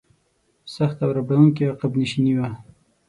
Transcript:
سخته او ربړونکې عقب نشیني وه.